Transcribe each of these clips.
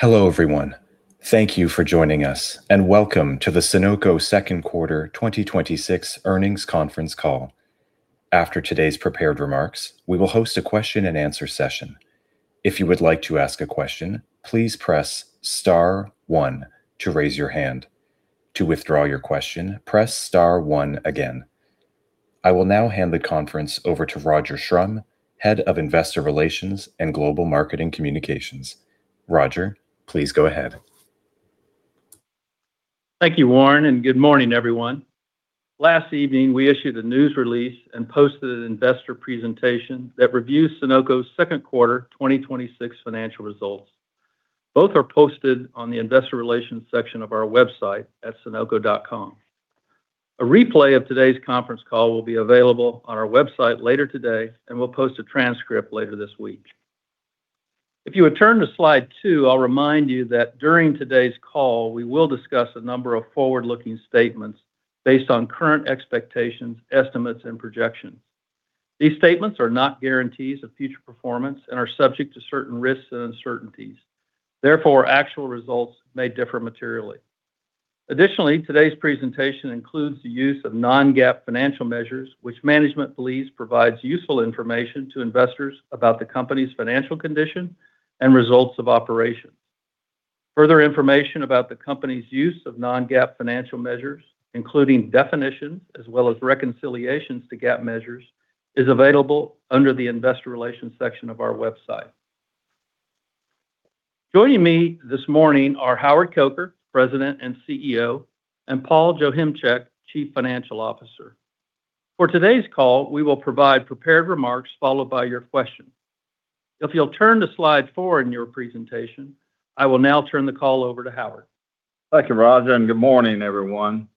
Hello, everyone. Thank you for joining us, and welcome to the Sonoco Second Quarter 2026 Earnings Conference Call. After today's prepared remarks, we will host a question and answer session. If you would like to ask a question, please press star one to raise your hand. To withdraw your question, press star one again. I will now hand the conference over to Roger Schrum, Head of Investor Relations and Global Marketing Communications. Roger, please go ahead. Thank you, Warren. Good morning, everyone. Last evening, we issued a news release and posted an investor presentation that reviews Sonoco's second quarter 2026 financial results. Both are posted on the investor relations section of our website at sonoco.com. A replay of today's conference call will be available on our website later today, and we'll post a transcript later this week. If you would turn to Slide two, I'll remind you that during today's call, we will discuss a number of forward-looking statements based on current expectations, estimates, and projections. These statements are not guarantees of future performance and are subject to certain risks and uncertainties. Actual results may differ materially. Today's presentation includes the use of non-GAAP financial measures, which management believes provides useful information to investors about the company's financial condition and results of operations. Further information about the company's use of non-GAAP financial measures, including definitions as well as reconciliations to GAAP measures, is available under the investor relations section of our website. Joining me this morning are Howard Coker, President and CEO, and Paul Joachimczyk, Chief Financial Officer. For today's call, we will provide prepared remarks followed by your questions. If you'll turn to Slide four in your presentation, I will now turn the call over to Howard. Thank you, Roger. Good morning, everyone.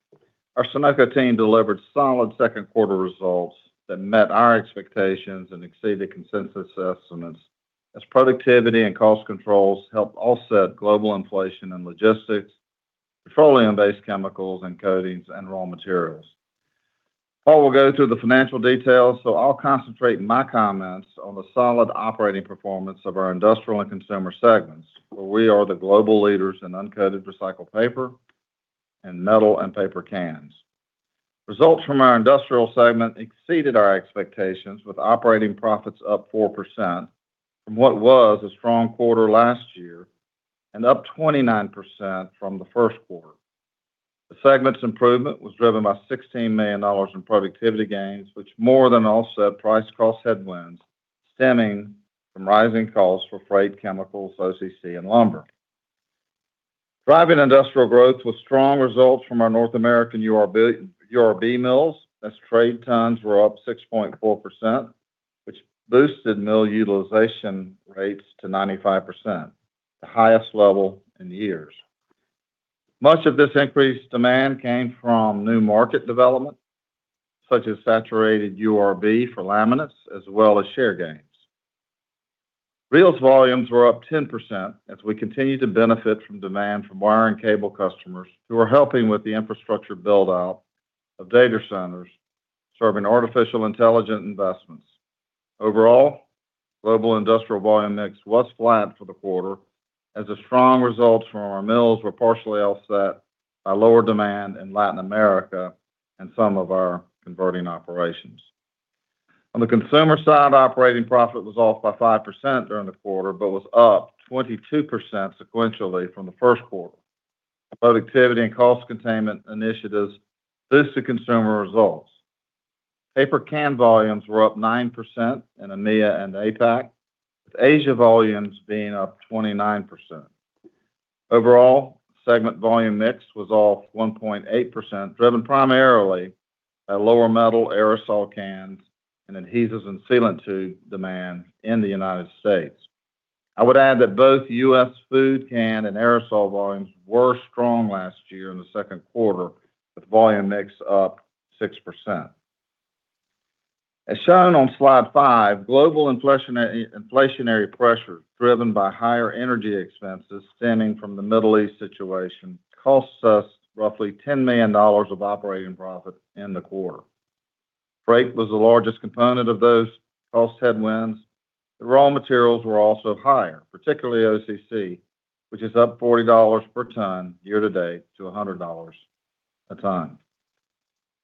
Our Sonoco team delivered solid second quarter results that met our expectations and exceeded consensus estimates as productivity and cost controls helped offset global inflation and logistics, petroleum-based chemicals and coatings and raw materials. Paul will go through the financial details, I'll concentrate my comments on the solid operating performance of our industrial and consumer segments, where we are the global leaders in uncoated recycled paper and metal and paper cans. Results from our industrial segment exceeded our expectations, with operating profits up 4% from what was a strong quarter last year and up 29% from the first quarter. The segment's improvement was driven by $16 million in productivity gains, which more than offset price cross headwinds stemming from rising costs for freight, chemicals, OCC and lumber. Driving industrial growth with strong results from our North American URB mills as trade tons were up 6.4%, which boosted mill utilization rates to 95%, the highest level in years. Much of this increased demand came from new market development, such as saturated URB for laminates as well as share gains. Reels volumes were up 10% as we continue to benefit from demand from wire and cable customers who are helping with the infrastructure build-out of data centers serving artificial intelligence investments. Overall, global industrial volume mix was flat for the quarter as the strong results from our mills were partially offset by lower demand in Latin America and some of our converting operations. On the consumer side, operating profit was off by 5% during the quarter but was up 22% sequentially from the first quarter. Productivity and cost containment initiatives boosted consumer results. Paper can volumes were up 9% in EMEA and APAC, with Asia volumes being up 29%. Overall, segment volume mix was off 1.8%, driven primarily by lower metal aerosol cans and adhesives and sealants demand in the U.S. I would add that both U.S. food can and aerosol volumes were strong last year in the second quarter, with volume mix up 6%. As shown on Slide five, global inflationary pressures driven by higher energy expenses stemming from the Middle East situation cost us roughly $10 million of operating profit in the quarter. Freight was the largest component of those cost headwinds. The raw materials were also higher, particularly OCC, which is up $40 per ton year to date to $100 a ton.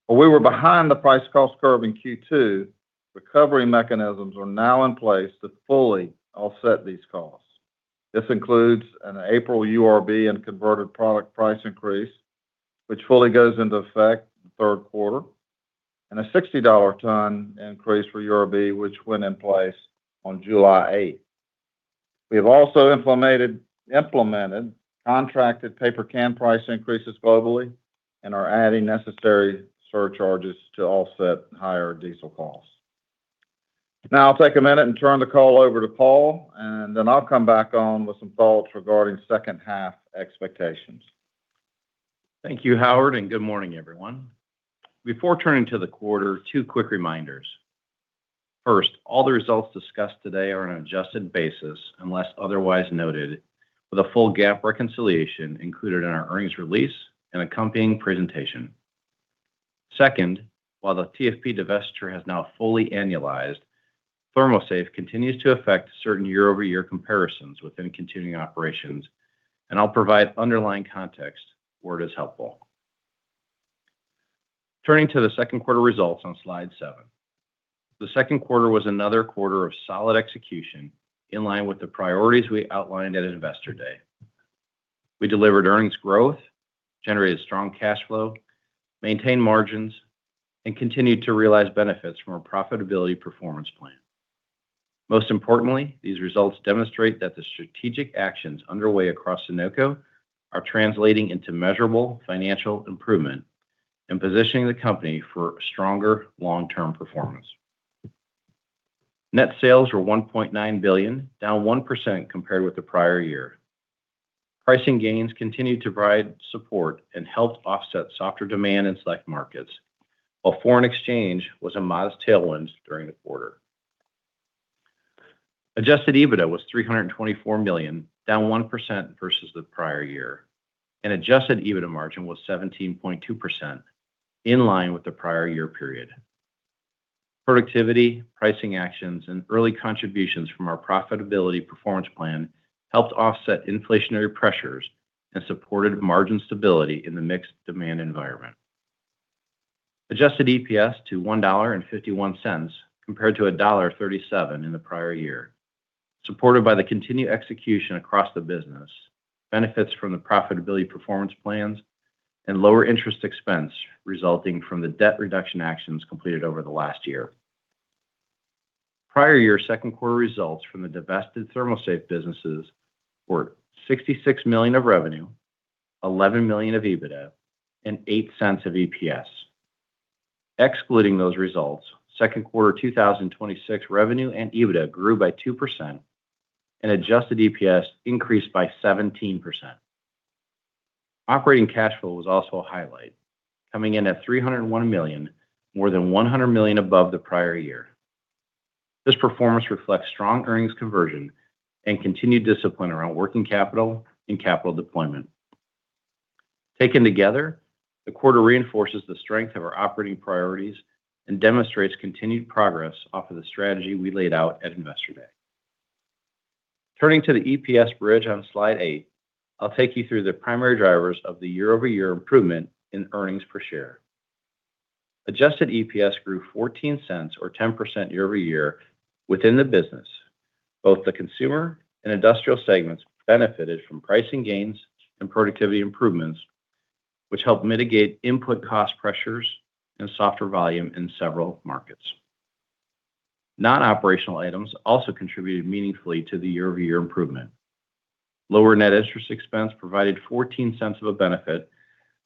While we were behind the price cost curve in Q2, recovery mechanisms are now in place to fully offset these costs. This includes an April URB and converted product price increase, which fully goes into effect third quarter, and a $60 a ton increase for URB, which went in place on July 8th. We have also implemented contracted paper can price increases globally and are adding necessary surcharges to offset higher diesel costs. I'll take a minute and turn the call over to Paul, and then I'll come back on with some thoughts regarding second half expectations. Thank you, Howard, and good morning, everyone. Before turning to the quarter, two quick reminders. First, all the results discussed today are on an adjusted basis unless otherwise noted, with a full GAAP reconciliation included in our earnings release and accompanying presentation Second, while the TFP divestiture has now fully annualized, ThermoSafe continues to affect certain year-over-year comparisons within continuing operations, and I'll provide underlying context where it is helpful. Turning to the second quarter results on slide seven. The second quarter was another quarter of solid execution in line with the priorities we outlined at Investor Day. We delivered earnings growth, generated strong cash flow, maintained margins, and continued to realize benefits from our profitability performance plan. Most importantly, these results demonstrate that the strategic actions underway across Sonoco are translating into measurable financial improvement and positioning the company for stronger long-term performance. Net sales were $1.9 billion, down 1% compared with the prior year. Pricing gains continued to provide support and helped offset softer demand in select markets, while foreign exchange was a modest tailwind during the quarter. Adjusted EBITDA was $324 million, down 1% versus the prior year. Adjusted EBITDA margin was 17.2% in line with the prior year period. Productivity, pricing actions, and early contributions from our profitability performance plan helped offset inflationary pressures and supported margin stability in the mixed demand environment. Adjusted EPS to $1.51 compared to $1.37 in the prior year, supported by the continued execution across the business, benefits from the profitability performance plans, and lower interest expense resulting from the debt reduction actions completed over the last year. Prior year second quarter results from the divested ThermoSafe businesses were $66 million of revenue, $11 million of EBITDA, and $0.08 of EPS. Excluding those results, second quarter 2026 revenue and EBITDA grew by 2% and adjusted EPS increased by 17%. Operating cash flow was also a highlight, coming in at $301 million, more than $100 million above the prior year. This performance reflects strong earnings conversion and continued discipline around working capital and capital deployment. Taken together, the quarter reinforces the strength of our operating priorities and demonstrates continued progress off of the strategy we laid out at Investor Day. Turning to the EPS bridge on slide eight, I'll take you through the primary drivers of the year-over-year improvement in earnings per share. Adjusted EPS grew $0.14 or 10% year-over-year within the business. Both the consumer and industrial segments benefited from pricing gains and productivity improvements, which helped mitigate input cost pressures and softer volume in several markets. Non-operational items also contributed meaningfully to the year-over-year improvement. Lower net interest expense provided $0.14 of a benefit,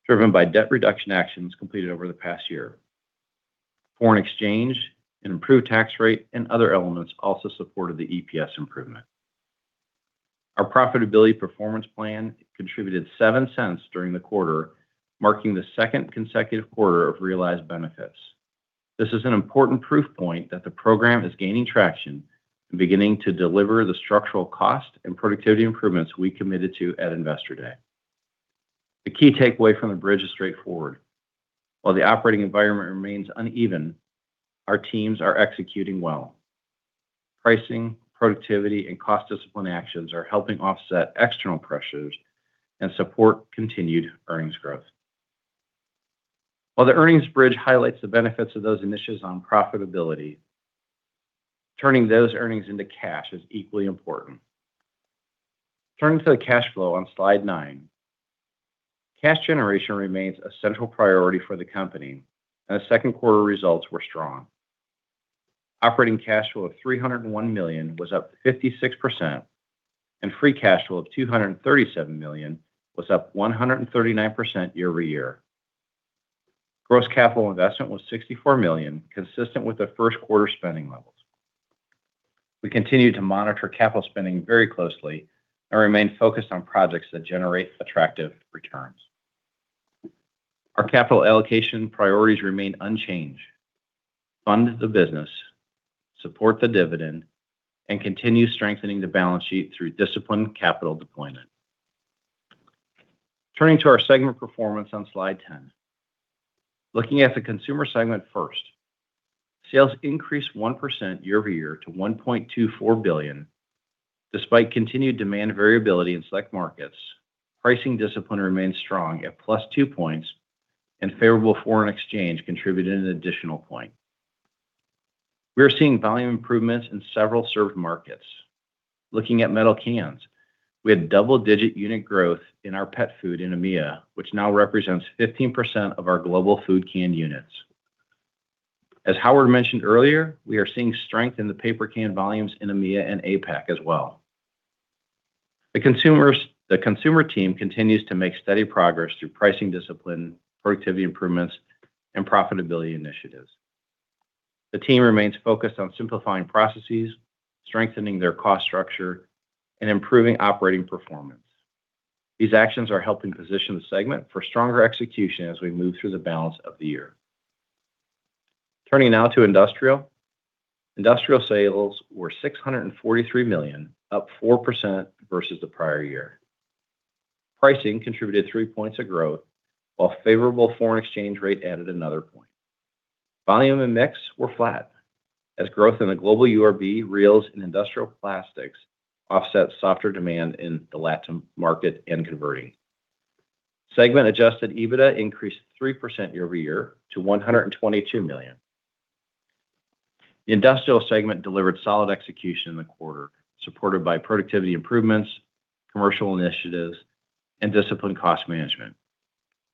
driven by debt reduction actions completed over the past year. Foreign exchange and improved tax rate and other elements also supported the EPS improvement. Our profitability performance plan contributed $0.07 during the quarter, marking the second consecutive quarter of realized benefits. This is an important proof point that the program is gaining traction and beginning to deliver the structural cost and productivity improvements we committed to at Investor Day. The key takeaway from the bridge is straightforward. While the operating environment remains uneven, our teams are executing well. Pricing, productivity, and cost discipline actions are helping offset external pressures and support continued earnings growth. While the earnings bridge highlights the benefits of those initiatives on profitability, turning those earnings into cash is equally important. Turning to the cash flow on slide nine. Cash generation remains a central priority for the company. The second quarter results were strong. Operating cash flow of $301 million was up 56%, and free cash flow of $237 million was up 139% year-over-year. Gross capital investment was $64 million, consistent with the first quarter spending levels. We continue to monitor capital spending very closely and remain focused on projects that generate attractive returns. Our capital allocation priorities remain unchanged. Fund the business, support the dividend, and continue strengthening the balance sheet through disciplined capital deployment. Turning to our segment performance on slide 10. Looking at the consumer segment first, sales increased 1% year-over-year to $1.24 billion. Despite continued demand variability in select markets, pricing discipline remained strong at plus two points, and favorable foreign exchange contributed an additional point. We are seeing volume improvements in several served markets. Looking at metal cans, we had double-digit unit growth in our pet food in EMEA, which now represents 15% of our global food can units. As Howard mentioned earlier, we are seeing strength in the paper can volumes in EMEA and APAC as well. The consumer team continues to make steady progress through pricing discipline, productivity improvements, and profitability initiatives. The team remains focused on simplifying processes, strengthening their cost structure, and improving operating performance. These actions are helping position the segment for stronger execution as we move through the balance of the year. Turning now to industrial. Industrial sales were $643 million, up 4% versus the prior year. Pricing contributed three points of growth, while favorable foreign exchange rate added another point. Volume and mix were flat as growth in the global URB reels and Industrial Plastics offset softer demand in the LATAM market and converting. Segment adjusted EBITDA increased 3% year-over-year to $122 million. The industrial segment delivered solid execution in the quarter, supported by productivity improvements, commercial initiatives, and disciplined cost management.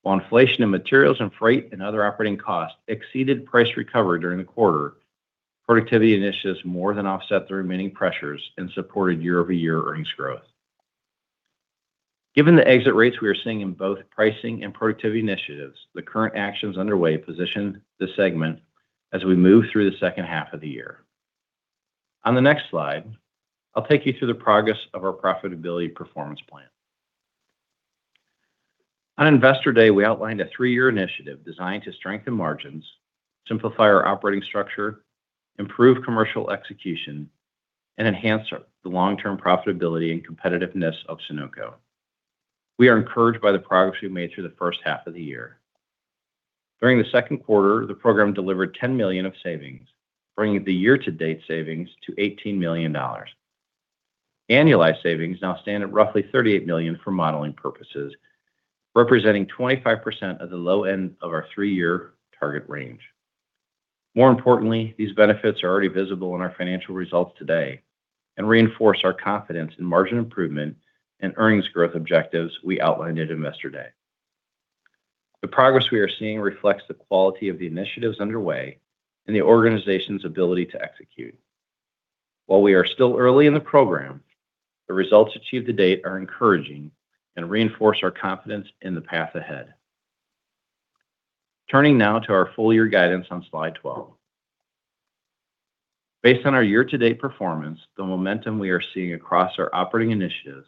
While inflation of materials and freight and other operating costs exceeded price recovery during the quarter, productivity initiatives more than offset the remaining pressures and supported year-over-year earnings growth. Given the exit rates we are seeing in both pricing and productivity initiatives, the current actions underway position the segment as we move through the second half of the year. On the next slide, I'll take you through the progress of our profitability performance plan. On Investor Day, we outlined a three-year initiative designed to strengthen margins, simplify our operating structure, improve commercial execution, and enhance the long-term profitability and competitiveness of Sonoco. We are encouraged by the progress we've made through the first half of the year. During the second quarter, the program delivered $10 million of savings, bringing the year-to-date savings to $18 million. Annualized savings now stand at roughly $38 million for modeling purposes, representing 25% of the low end of our three-year target range. More importantly, these benefits are already visible in our financial results today and reinforce our confidence in margin improvement and earnings growth objectives we outlined at Investor Day. The progress we are seeing reflects the quality of the initiatives underway and the organization's ability to execute. While we are still early in the program, the results achieved to date are encouraging and reinforce our confidence in the path ahead. Turning now to our full year guidance on slide 12. Based on our year-to-date performance, the momentum we are seeing across our operating initiatives,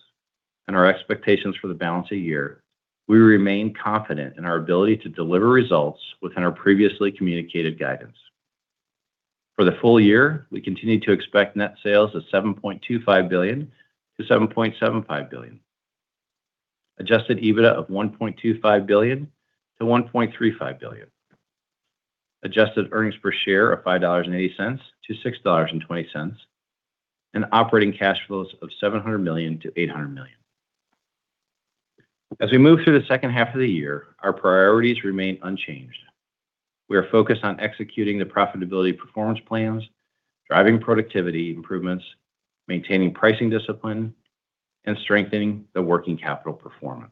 and our expectations for the balance of the year, we remain confident in our ability to deliver results within our previously communicated guidance. For the full year, we continue to expect net sales of $7.25 billion-$7.75 billion, adjusted EBITDA of $1.25 billion-$1.35 billion, adjusted earnings per share of $5.80-$6.20, and operating cash flows of $700 million-$800 million. As we move through the second half of the year, our priorities remain unchanged. We are focused on executing the profitability performance plans, driving productivity improvements, maintaining pricing discipline, and strengthening the working capital performance.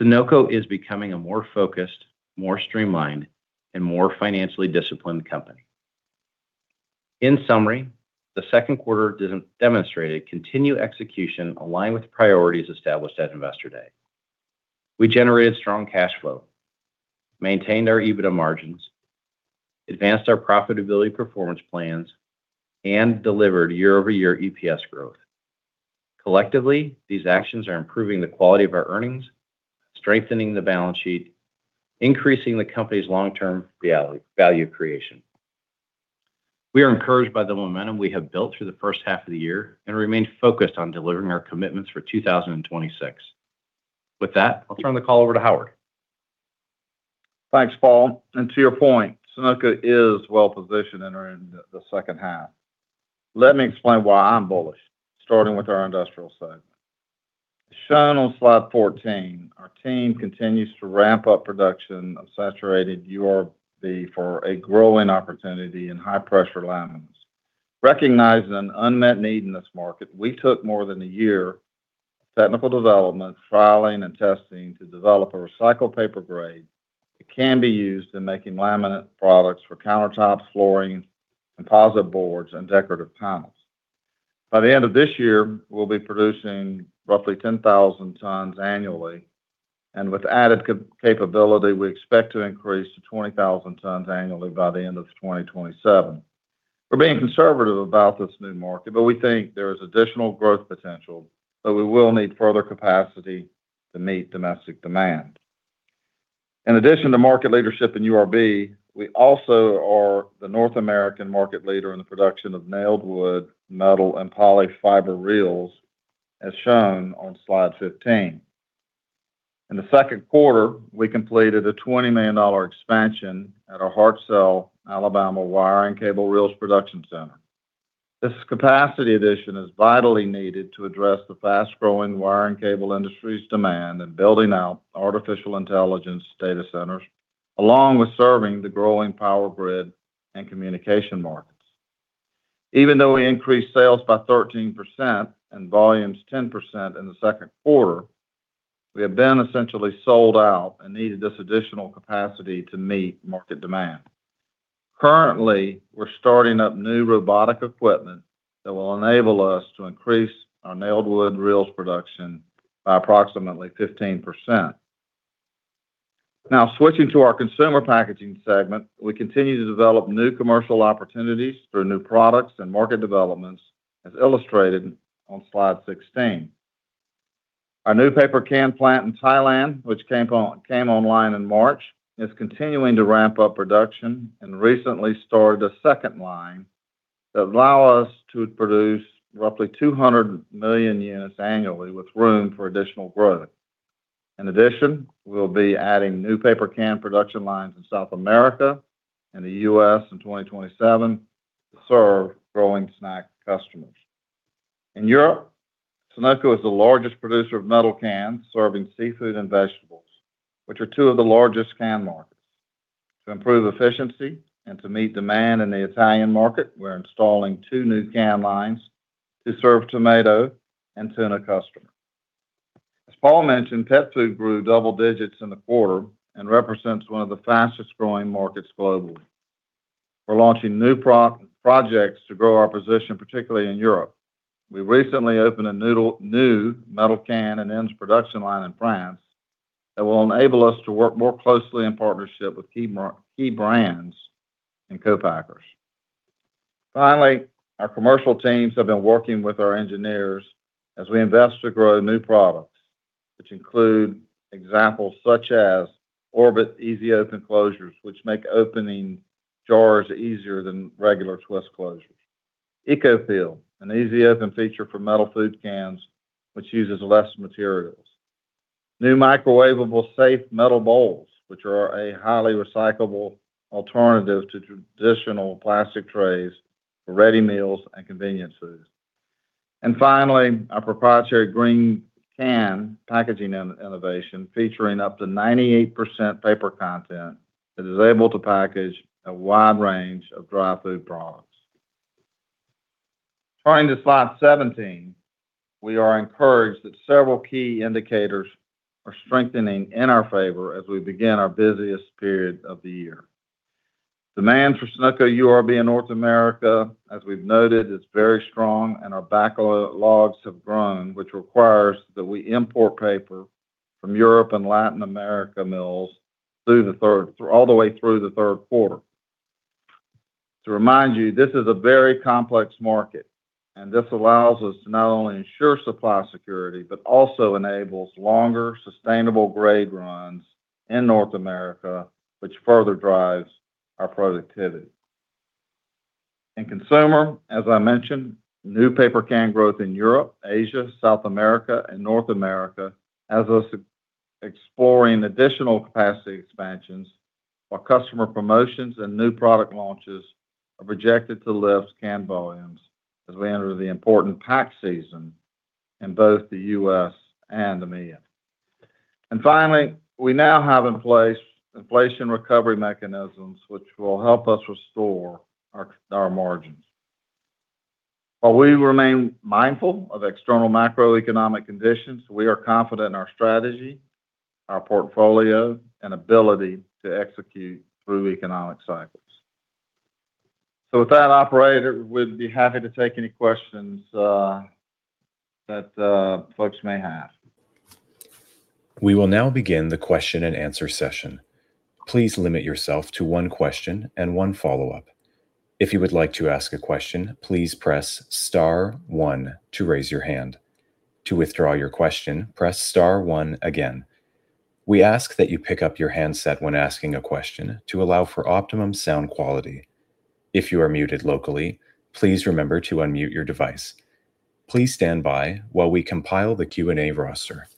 Sonoco is becoming a more focused, more streamlined, and more financially disciplined company. In summary, the second quarter demonstrated continued execution aligned with the priorities established at Investor Day. We generated strong cash flow, maintained our EBITDA margins, advanced our profitability performance plans, and delivered year-over-year EPS growth. Collectively, these actions are improving the quality of our earnings, strengthening the balance sheet, increasing the company's long-term value creation. We are encouraged by the momentum we have built through the first half of the year and remain focused on delivering our commitments for 2026. With that, I'll turn the call over to Howard. Thanks, Paul. To your point, Sonoco is well positioned entering the second half. Let me explain why I'm bullish, starting with our industrial side. Shown on slide 14, our team continues to ramp up production of saturated URB for a growing opportunity in high pressure laminates. Recognizing an unmet need in this market, we took more than a year of technical development, trialing, and testing to develop a recycled paper grade that can be used in making laminate products for countertops, flooring, composite boards, and decorative panels. By the end of this year, we'll be producing roughly 10,000 tons annually. With added capability, we expect to increase to 20,000 tons annually by the end of 2027. We're being conservative about this new market. We think there is additional growth potential. We will need further capacity to meet domestic demand. In addition to market leadership in URB, we also are the North American market leader in the production of nailed wood, metal, and poly-fiber reels, as shown on slide 15. In the second quarter, we completed a $20 million expansion at our Hartselle, Alabama wire and cable reels production center. This capacity addition is vitally needed to address the fast-growing wire and cable industry's demand in building out artificial intelligence data centers, along with serving the growing power grid and communication markets. Even though we increased sales by 13% and volumes 10% in the second quarter, we have been essentially sold out and needed this additional capacity to meet market demand. Currently, we're starting up new robotic equipment that will enable us to increase our nailed wood reels production by approximately 15%. Switching to our consumer packaging segment, we continue to develop new commercial opportunities through new products and market developments, as illustrated on slide 16. Our new paper can plant in Thailand, which came online in March, is continuing to ramp up production and recently started a second line that allow us to produce roughly 200 million units annually, with room for additional growth. In addition, we'll be adding new paper can production lines in South America and the U.S. in 2027 to serve growing snack customers. In Europe, Sonoco is the largest producer of metal cans, serving seafood and vegetables, which are two of the largest can markets. To improve efficiency and to meet demand in the Italian market, we're installing two new can lines to serve tomato and tuna customers. As Paul mentioned, pet food grew double digits in the quarter and represents one of the fastest-growing markets globally. We're launching new projects to grow our position, particularly in Europe. We recently opened a new metal can and ends production line in France that will enable us to work more closely in partnership with key brands and co-packers. Finally, our commercial teams have been working with our engineers as we invest to grow new products, which include examples such as Orbit easy-open closures, which make opening jars easier than regular twist closures. Eco-Fill, an easy-open feature for metal food cans, which uses less materials. New microwaveable safe metal bowls, which are a highly recyclable alternative to traditional plastic trays for ready meals and convenience foods. Finally, our proprietary GreenCan packaging innovation, featuring up to 98% paper content that is able to package a wide range of dry food products. Turning to slide 17, we are encouraged that several key indicators are strengthening in our favor as we begin our busiest period of the year. Demand for Sonoco URB in North America, as we've noted, is very strong, and our backlogs have grown, which requires that we import paper from Europe and Latin America mills all the way through the third quarter. To remind you, this is a very complex market, and this allows us to not only ensure supply security, but also enables longer sustainable grade runs in North America, which further drives our productivity. In consumer, as I mentioned, new paper can growth in Europe, Asia, South America and North America has us exploring additional capacity expansions while customer promotions and new product launches are projected to lift can volumes as we enter the important pack season in both the U.S. and EMEA. Finally, we now have in place inflation recovery mechanisms, which will help us restore our margins. While we remain mindful of external macroeconomic conditions, we are confident in our strategy, our portfolio, and ability to execute through economic cycles. With that, Operator, we'd be happy to take any questions that folks may have. We will now begin the question and answer session. Please limit yourself to one question and one follow-up. If you would like to ask a question, please press star one to raise your hand. To withdraw your question, press star one again. We ask that you pick up your handset when asking a question to allow for optimum sound quality. If you are muted locally, please remember to unmute your device. Please stand by while we compile the Q&A roster.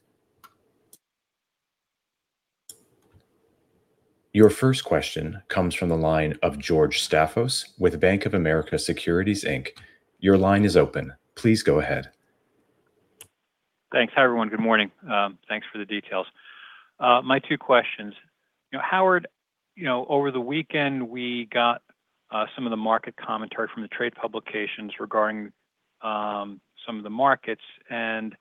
Your first question comes from the line of George Staphos with Bank of America Securities Inc. Your line is open. Please go ahead. Thanks. Hi, everyone. Good morning. Thanks for the details. My two questions. Howard, over the weekend, we got some of the market commentary from the trade publications regarding some of the markets, and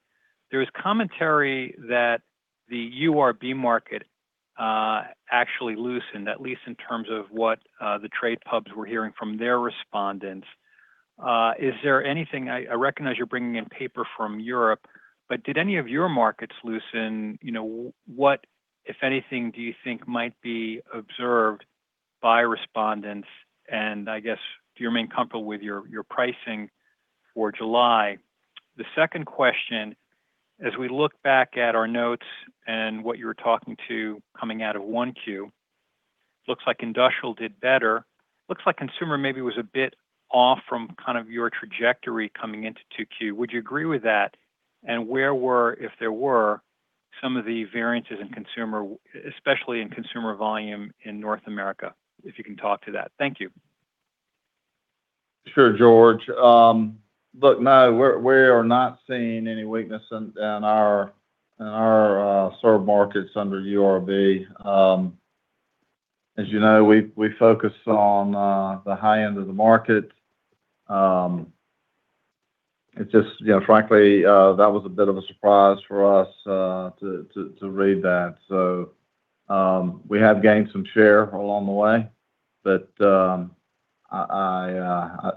there was commentary that the URB market actually loosened, at least in terms of what the trade pubs were hearing from their respondents. Is there anything-- I recognize you're bringing in paper from Europe, but did any of your markets loosen? What, if anything, do you think might be observed by respondents, and I guess, do you remain comfortable with your pricing for July? The second question, as we look back at our notes and what you were talking to coming out of 1Q, looks like industrial did better. Looks like consumer maybe was a bit off from kind of your trajectory coming into 2Q. Would you agree with that? Where were, if there were, some of the variances in consumer, especially in consumer volume in North America, if you can talk to that. Thank you. Sure, George. Look, no, we are not seeing any weakness in our served markets under URB. As you know, we focus on the high end of the market. Frankly, that was a bit of a surprise for us to read that. We have gained some share along the way, but I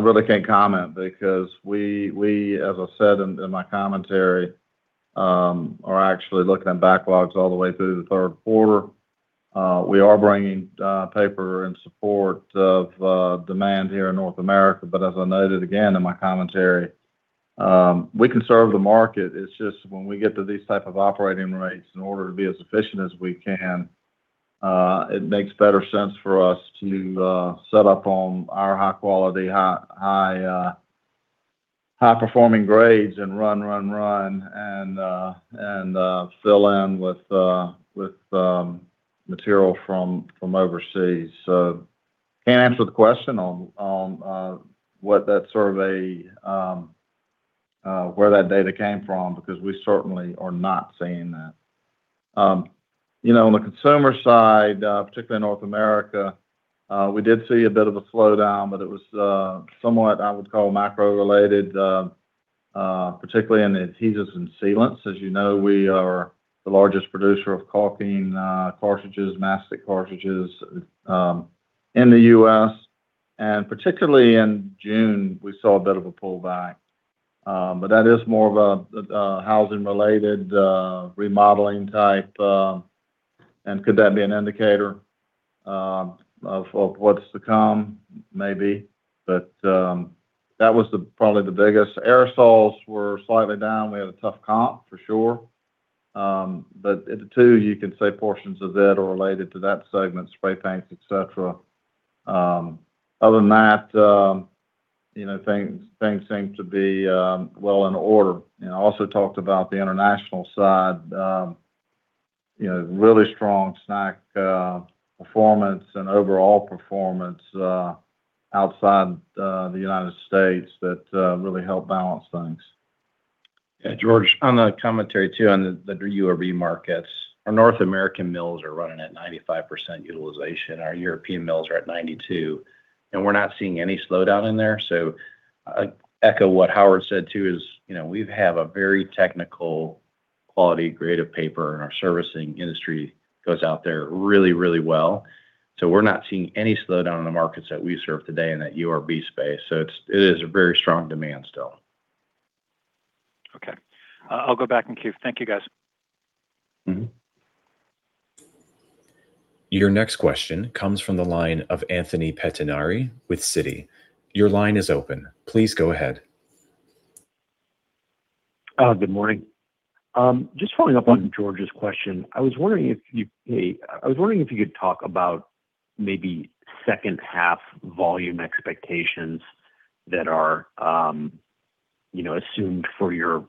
really can't comment because we, as I said in my commentary, are actually looking at backlogs all the way through the third quarter. We are bringing paper in support of demand here in North America. As I noted again in my commentary, we can serve the market. It's just when we get to these type of operating rates, in order to be as efficient as we can, it makes better sense for us to set up on our high-quality, high-performing grades and run, and fill in with material from overseas. Can't answer the question on where that data came from, because we certainly are not seeing that. On the consumer side, particularly in North America, we did see a bit of a slowdown, but it was somewhat, I would call, macro-related, particularly in adhesives and sealants. As you know, we are the largest producer of caulking cartridges, mastic cartridges in the U.S., and particularly in June, we saw a bit of a pullback. That is more of a housing-related, remodeling type. Could that be an indicator of what's to come? Maybe. That was probably the biggest. Aerosols were slightly down. We had a tough comp, for sure. The two, you can say portions of that are related to that segment, spray paints, et cetera. Other than that, things seem to be well in order. Also talked about the international side. Really strong snack performance and overall performance outside the United States that really helped balance things. Yeah, George, on the commentary too, on the URB markets, our North American mills are running at 95% utilization. Our European mills are at 92%, and we're not seeing any slowdown in there. I echo what Howard said too is, we have a very technical quality grade of paper, and our servicing industry goes out there really well. We're not seeing any slowdown in the markets that we serve today in that URB space. It is a very strong demand still. Okay. I'll go back in queue. Thank you, guys. Your next question comes from the line of Anthony Pettinari with Citi. Your line is open. Please go ahead. Good morning. Just following up on George's question. I was wondering if you could talk about maybe second half volume expectations that are assumed for your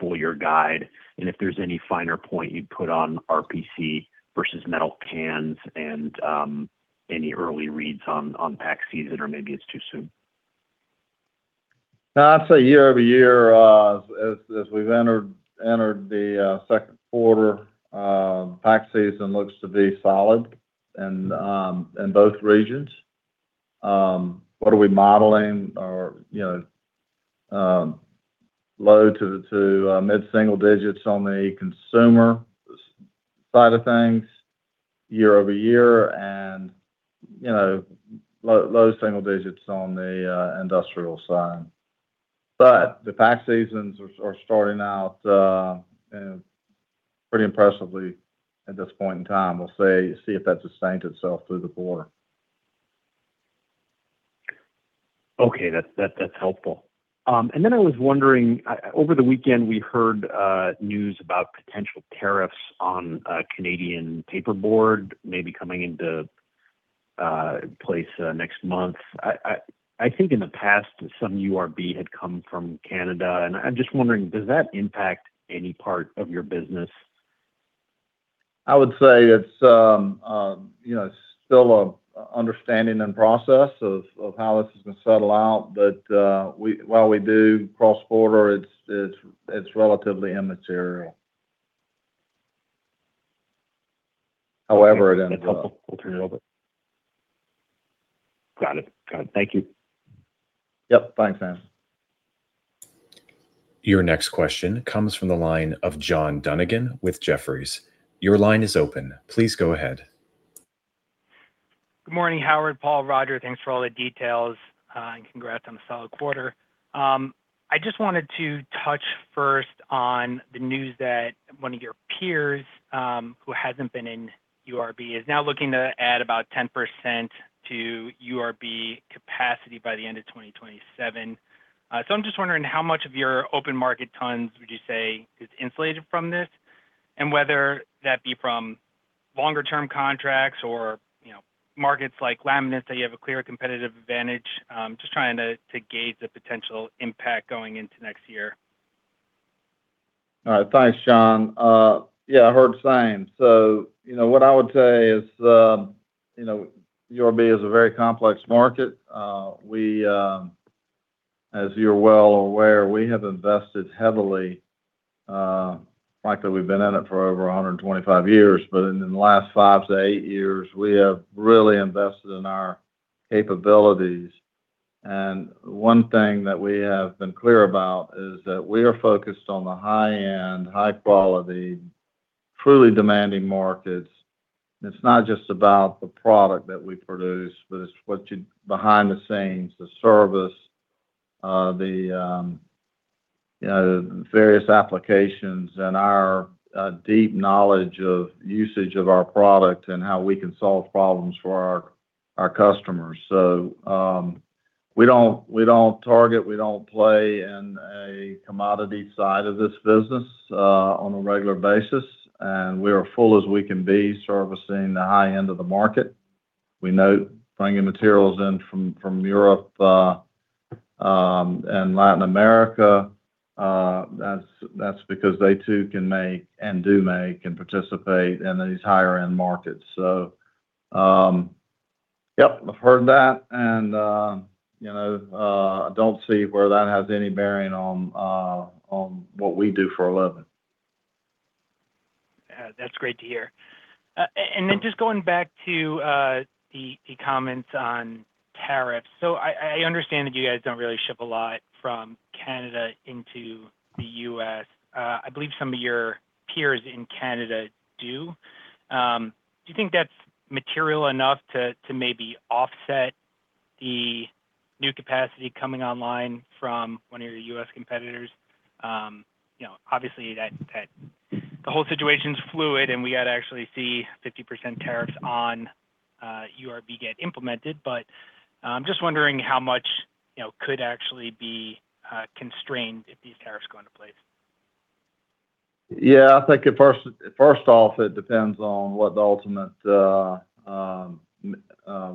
full year guide, and if there's any finer point you'd put on RPC versus metal cans and any early reads on pack season, or maybe it's too soon. No, I'd say year-over-year, as we've entered the second quarter, pack season looks to be solid in both regions. What are we modeling? Low to mid-single digits on the consumer side of things year-over-year, and low single digits on the industrial side. The pack seasons are starting out pretty impressively at this point in time. We'll see if that sustains itself through the quarter. Okay. That's helpful. I was wondering, over the weekend, we heard news about potential tariffs on Canadian paperboard maybe coming into place next month. I think in the past, some URB had come from Canada, and I'm just wondering, does that impact any part of your business? I would say it's still an understanding and process of how this is going to settle out. While we do cross-border, it's relatively immaterial. However, it ends up. That's helpful. Got it. Thank you. Yep. Thanks, man. Your next question comes from the line of John Dunigan with Jefferies. Your line is open. Please go ahead. Good morning, Howard, Paul, Roger. Thanks for all the details, and congrats on the solid quarter. I just wanted to touch first on the news that one of your peers, who hasn't been in URB, is now looking to add about 10% to URB capacity by the end of 2027. I'm just wondering how much of your open market tons would you say is insulated from this, and whether that be from longer-term contracts or markets like laminates that you have a clear competitive advantage. Just trying to gauge the potential impact going into next year. All right. Thanks, John. Yeah, I heard the same. What I would say is URB is a very complex market. As you're well aware, we have invested heavily. Frankly, we've been in it for over 125 years. In the last five to eight years, we have really invested in our capabilities, and one thing that we have been clear about is that we are focused on the high-end, high-quality, truly demanding markets. It's not just about the product that we produce, but it's what you behind the scenes, the service, the various applications and our deep knowledge of usage of our product and how we can solve problems for our customers. We don't target, we don't play in a commodity side of this business on a regular basis, and we are full as we can be servicing the high end of the market. We note bringing materials in from Europe, and Latin America, that's because they too can make and do make and participate in these higher end markets. Yep. I've heard that and I don't see where that has any bearing on what we do for a living. That's great to hear. Just going back to the comments on tariffs. I understand that you guys don't really ship a lot from Canada into the U.S. I believe some of your peers in Canada do. Do you think that's material enough to maybe offset the new capacity coming online from one of your U.S. competitors? Obviously, the whole situation's fluid and we got to actually see 50% tariffs on URB get implemented. I'm just wondering how much could actually be constrained if these tariffs go into place. I think first off, it depends on what the ultimate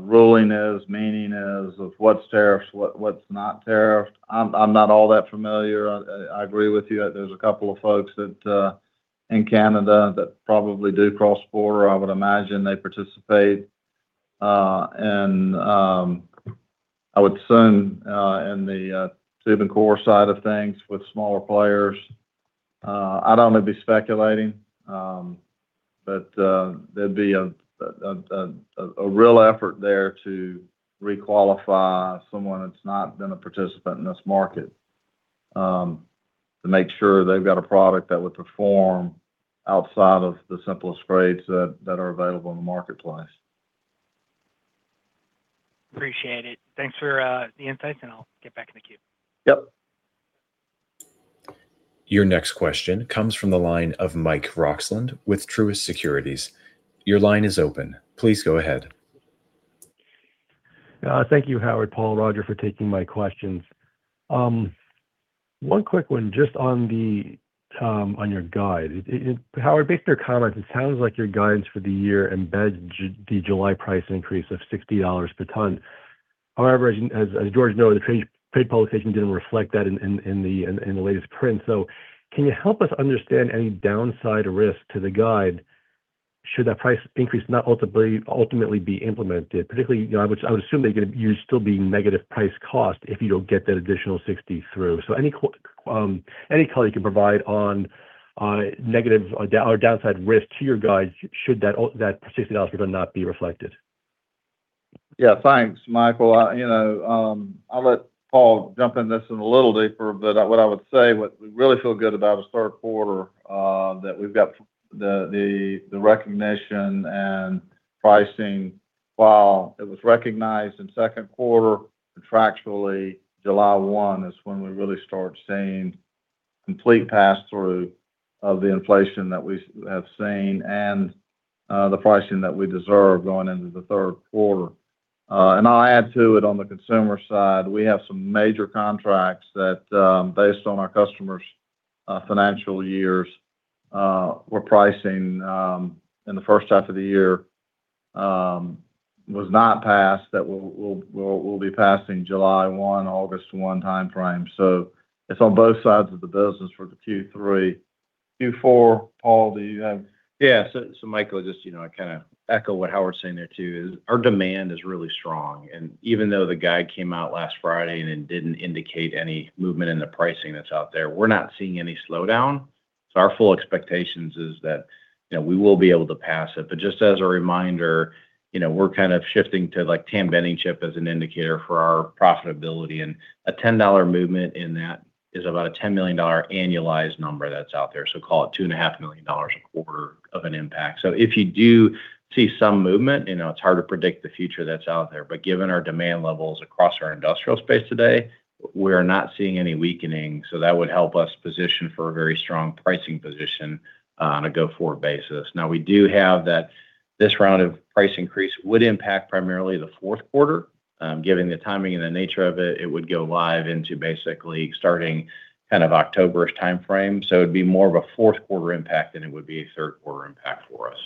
ruling is, meaning is of what's tariffed, what's not tariffed. I'm not all that familiar. I agree with you that there's a couple of folks in Canada that probably do cross border. I would imagine they participate. I would assume, in the tube and core side of things with smaller players, I'd only be speculating, there'd be a real effort there to re-qualify someone that's not been a participant in this market, to make sure they've got a product that would perform outside of the simplest grades that are available in the marketplace. Appreciate it. Thanks for the insights. I'll get back in the queue. Yep. Your next question comes from the line of Michael Roxland with Truist Securities. Your line is open. Please go ahead. Thank you, Howard, Paul, Roger, for taking my questions. One quick one just on your guide. Howard, based on your comments, it sounds like your guidance for the year embeds the July price increase of $60 per ton. As George knows, the trade publication didn't reflect that in the latest print. Can you help us understand any downside risk to the guide should that price increase not ultimately be implemented? Particularly, I would assume that you'd still be negative price cost if you don't get that additional 60 through. Any color you can provide on negative or downside risk to your guide should that $60 per ton not be reflected? Thanks, Michael. I'll let Paul jump in this in a little deeper, what I would say, what we really feel good about is 3Q, that we've got the recognition and pricing. While it was recognized in 2Q, contractually July 1 is when we really start seeing complete pass-through of the inflation that we have seen and the pricing that we deserve going into 3Q. I'll add to it on the consumer side, we have some major contracts that, based on our customers' financial years, were pricing in the first half of the year, was not passed that will be passing July 1, August 1 timeframe. It's on both sides of the business for the 3Q. Q4, Paul, do you have? Yeah. Michael, just I echo what Howard's saying there too, is our demand is really strong, and even though the guide came out last Friday and it didn't indicate any movement in the pricing that's out there, we're not seeing any slowdown. Our full expectations is that we will be able to pass it. Just as a reminder, we're shifting to like Tan Bending Chip as an indicator for our profitability, and a $10 movement in that is about a $10 million annualized number that's out there. Call it $2.5 million a quarter of an impact. If you do see some movement, it's hard to predict the future that's out there. Given our demand levels across our industrial space today, we are not seeing any weakening. That would help us position for a very strong pricing position on a go-forward basis. We do have that this round of price increase would impact primarily the 4Q. Given the timing and the nature of it would go live into basically starting kind of October-ish timeframe. It'd be more of a 4Q impact than it would be a 3Q impact for us.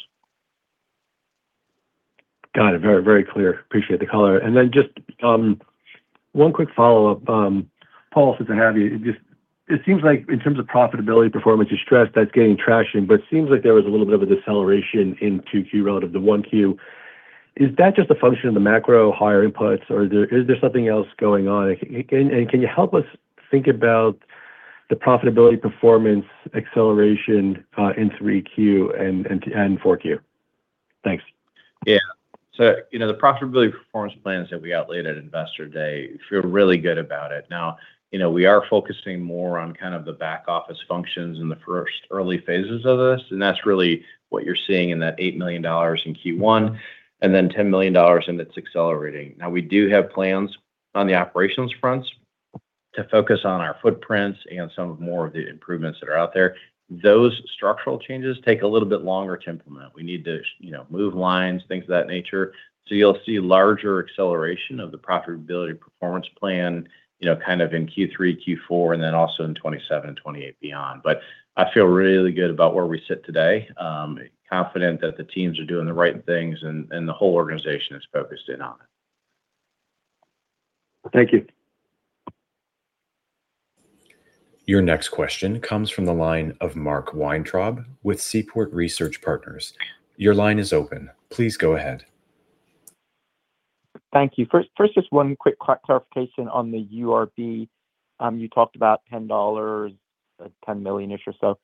Got it. Very clear. Appreciate the color. Then just one quick follow-up. Paul, since I have you, it seems like in terms of profitability performance, you stressed that's gaining traction, it seems like there was a little bit of a deceleration in 2Q relative to 1Q. Is that just a function of the macro higher inputs, or is there something else going on? Can you help us think about the profitability performance acceleration, in 3Q and 4Q? Thanks. Yeah. The profitability performance plans that we outlayed at Investor Day, feel really good about it. We are focusing more on kind of the back office functions in the first early phases of this, and that's really what you're seeing in that $8 million in Q1. $10 million in that's accelerating. We do have plans on the operations fronts to focus on our footprints and some more of the improvements that are out there. Those structural changes take a little bit longer to implement. We need to move lines, things of that nature. You'll see larger acceleration of the profitability performance plan kind of in Q3, Q4, and then also in 2027 and 2028 beyond. I feel really good about where we sit today, confident that the teams are doing the right things and the whole organization is focused in on it. Thank you. Your next question comes from the line of Mark Weintraub with Seaport Research Partners. Your line is open. Please go ahead. Thank you. First, just one quick clarification on the URB. You talked about $10 million-ish or so.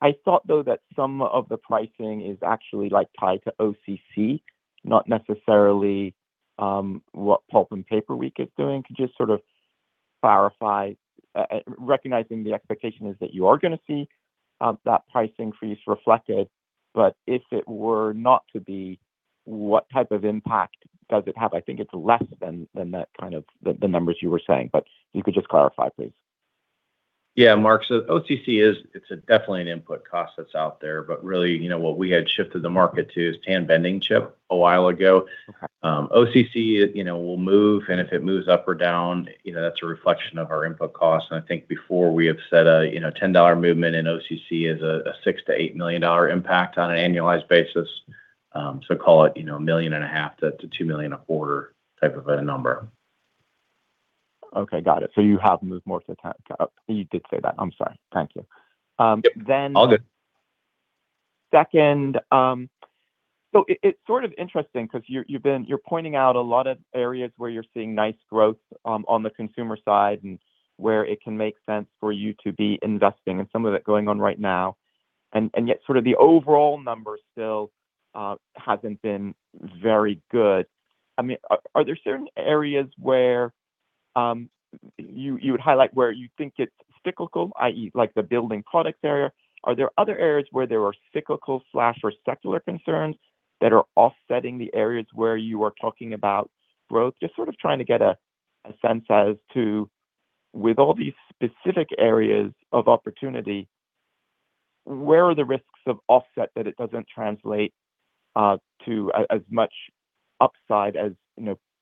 I thought, though, that some of the pricing is actually tied to OCC, not necessarily what Pulp & Paper Week is doing. Could you just sort of clarify? Recognizing the expectation is that you are going to see that pricing freeze reflected, but if it were not to be, what type of impact does it have? I think it's less than the numbers you were saying, but if you could just clarify, please. Mark. OCC is definitely an input cost that's out there, but really what we had shifted the market to is Tan Bending Chip a while ago. Okay. OCC will move, if it moves up or down, that's a reflection of our input costs. I think before we have said a $10 movement in OCC is a $6 million-$8 million impact on an annualized basis. Call it a million and a half to $2 million a quarter type of a number. Okay, got it. You have moved more to. Oh, you did say that. I'm sorry. Thank you. All good. Second. It's sort of interesting because you're pointing out a lot of areas where you're seeing nice growth on the consumer side and where it can make sense for you to be investing, and some of it going on right now. Yet, sort of the overall number still hasn't been very good. Are there certain areas where you would highlight where you think it's cyclical, i.e. like the building products area? Are there other areas where there are cyclical or secular concerns that are offsetting the areas where you are talking about growth? Just sort of trying to get a sense as to, with all these specific areas of opportunity, where are the risks of offset that it doesn't translate to as much upside as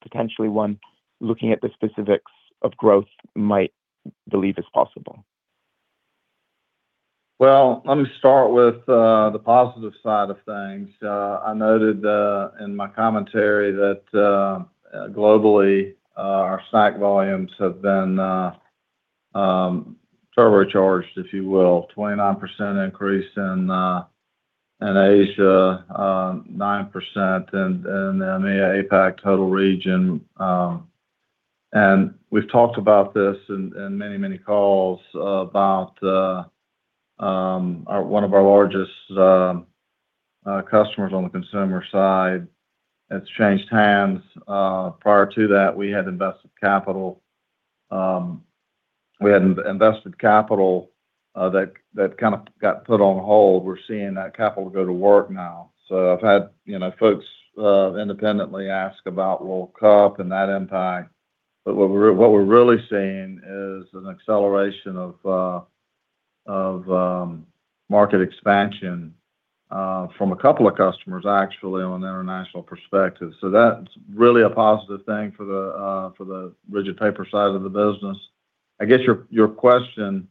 potentially one looking at the specifics of growth might believe is possible? Well, let me start with the positive side of things. I noted in my commentary that globally, our snack volumes have been turbocharged, if you will. 29% increase in Asia, 9% in the EMEA/APAC total region. We've talked about this in many, many calls about one of our largest customers on the consumer side that's changed hands. Prior to that, we had invested capital that kind of got put on hold. We're seeing that capital go to work now. I've had folks independently ask about, well, cup and that impact. What we're really seeing is an acceleration of market expansion from a couple of customers, actually, on an international perspective. That's really a positive thing for the rigid paper side of the business. I guess your question,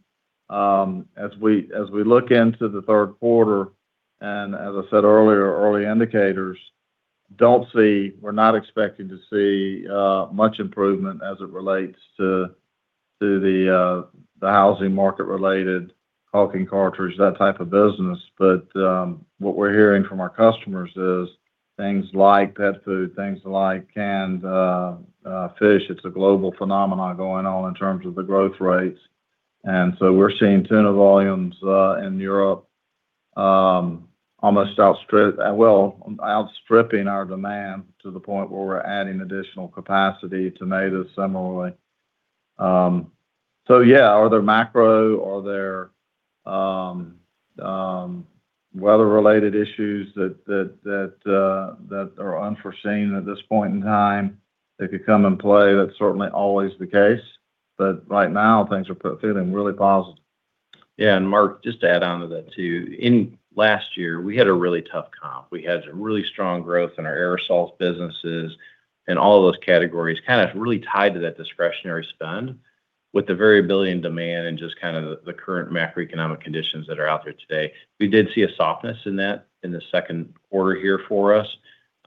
as we look into the third quarter, and as I said earlier, early indicators, we're not expecting to see much improvement as it relates to the housing market related caulking cartridge, that type of business. What we're hearing from our customers is things like pet food, things like canned fish, it's a global phenomenon going on in terms of the growth rates. We're seeing tuna volumes in Europe almost outstripping our demand to the point where we're adding additional capacity. Tomatoes, similarly. Yeah, are there macro, are there weather-related issues that are unforeseen at this point in time that could come in play? That's certainly always the case, but right now, things are feeling really positive. Yeah. Mark, just to add onto that too. Last year, we had a really tough comp. We had some really strong growth in our aerosols businesses and all of those categories kind of really tied to that discretionary spend. With the variability in demand and just kind of the current macroeconomic conditions that are out there today, we did see a softness in that in the second quarter here for us.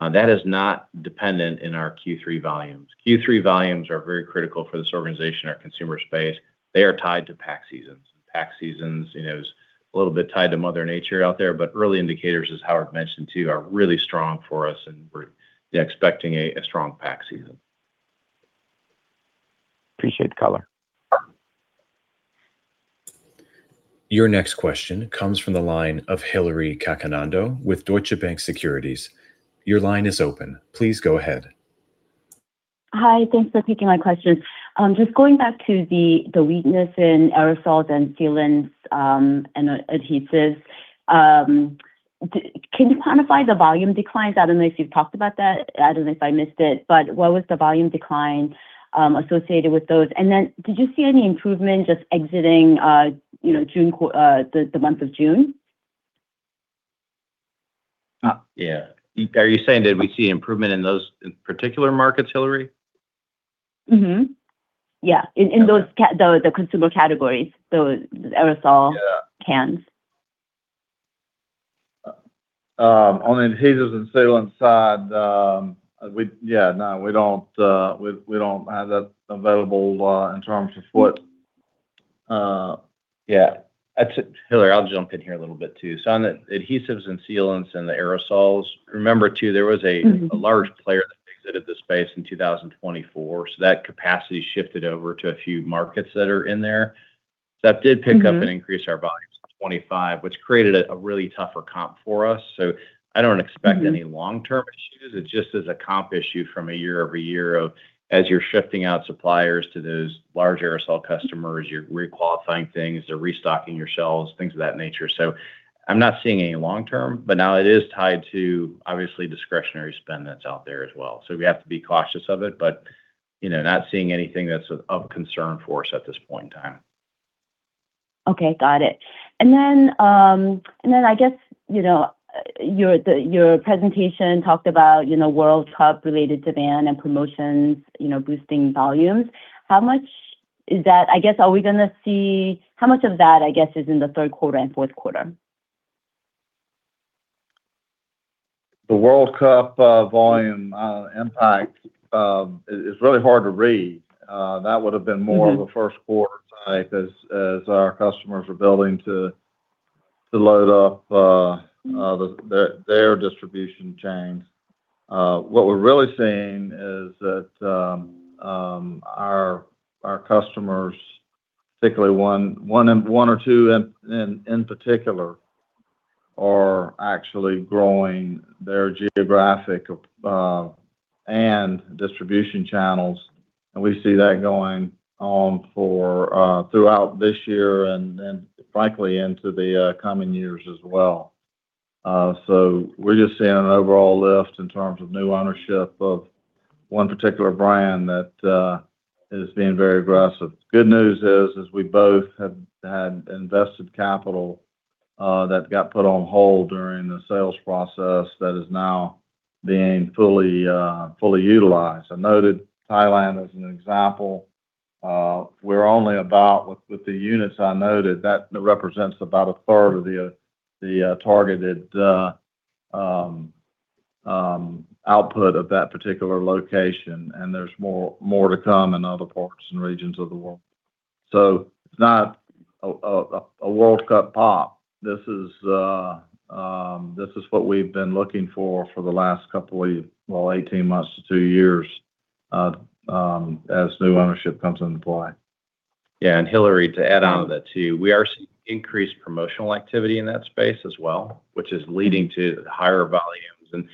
That is not dependent on our Q3 volumes. Q3 volumes are very critical for this organization, our consumer space. They are tied to pack seasons. Pack seasons, it's a little bit tied to Mother Nature out there, but early indicators, as Howard mentioned too, are really strong for us, and we're expecting a strong pack season. Appreciate the color. Your next question comes from the line of Hillary Cacanando with Deutsche Bank Securities. Your line is open. Please go ahead. Hi, thanks for taking my question. Just going back to the weakness in aerosols and sealants, and adhesives. Can you quantify the volume declines? I don't know if you've talked about that. I don't know if I missed it, but what was the volume decline associated with those? Did you see any improvement just exiting the month of June? Yeah. Are you saying did we see improvement in those particular markets, Hillary? Yeah. In the consumer categories, those aerosol- Yeah cans. On adhesives and sealants side, yeah, no, we don't have that available in terms of what- Yeah. Hillary, I'll jump in here a little bit too. On the adhesives and sealants and the aerosols, remember too, there was a a large player that exited the space in 2024. That capacity shifted over to a few markets that are in there. That did pick up Increase our volumes in 2025, which created a really tougher comp for us. I don't expect any long-term issues. It just is a comp issue from a year-over-year of as you're shifting out suppliers to those large aerosol customers, you're re-qualifying things, they're restocking your shelves, things of that nature. I'm not seeing any long-term, but now it is tied to obviously discretionary spend that's out there as well. We have to be cautious of it, but not seeing anything that's of concern for us at this point in time. Okay. Got it. Then, I guess, your presentation talked about World Cup related demand and promotions boosting volumes. How much of that, I guess, is in the third quarter and fourth quarter? The World Cup volume impact is really hard to read. That would've been more of a first quarter type as our customers are building to load up. Their distribution chains. What we're really seeing is that our customers, particularly one or two in particular, are actually growing their geographic and distribution channels. We see that going on throughout this year and frankly into the coming years as well. We're just seeing an overall lift in terms of new ownership of one particular brand that is being very aggressive. Good news is we both have had invested capital that got put on hold during the sales process that is now being fully utilized. I noted Thailand as an example. With the units I noted, that represents about a third of the targeted output of that particular location, and there's more to come in other parts and regions of the world. It's not a World Cup pop. This is what we've been looking for for the last couple of, well, 18 months to two years as new ownership comes into play. Yeah. Hillary, to add onto that too, we are seeing increased promotional activity in that space as well, which is leading to higher volumes.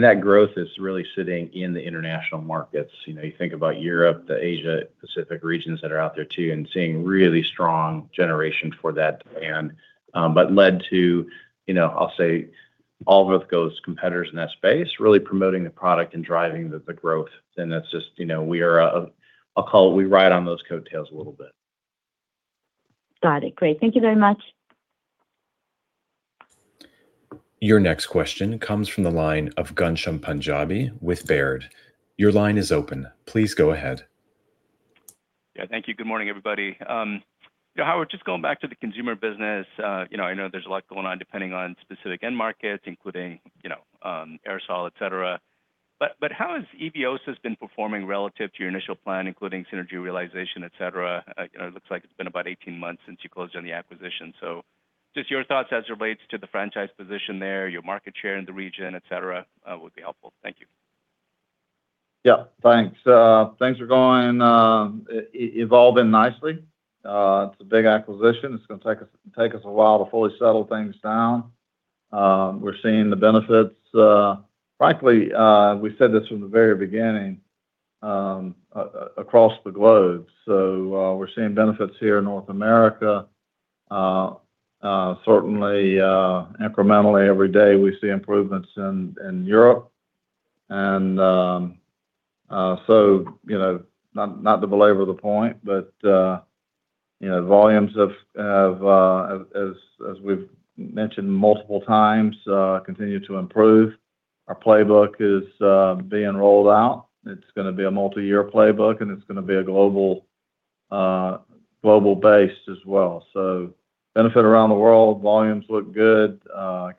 That growth is really sitting in the international markets. You think about Europe, the Asia Pacific regions that are out there too, and seeing really strong generation for that demand. Led to, I'll say, all of those competitors in that space really promoting the product and driving the growth. That's just we write on those coattails a little bit. Got it. Great. Thank you very much. Your next question comes from the line of Ghansham Panjabi with Baird. Your line is open. Please go ahead. Yeah. Thank you. Good morning, everybody. Howard, just going back to the consumer business. I know there's a lot going on depending on specific end markets, including aerosol, et cetera. How has Eviosys been performing relative to your initial plan, including synergy realization, et cetera? It looks like it's been about 18 months since you closed on the acquisition. Just your thoughts as it relates to the franchise position there, your market share in the region, et cetera, would be helpful. Thank you. Yeah, thanks. Things are evolving nicely. It's a big acquisition. It's going to take us a while to fully settle things down. We're seeing the benefits, frankly, we said this from the very beginning, across the globe. We're seeing benefits here in North America. Certainly, incrementally every day we see improvements in Europe. Not to belabor the point, but volumes, as we've mentioned multiple times, continue to improve. Our playbook is being rolled out. It's going to be a multi-year playbook, and it's going to be global based as well. Benefit around the world. Volumes look good.